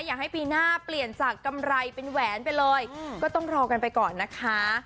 อยากให้ปีหน้าเปลี่ยนจากกำไรเป็นแหวนไปเลย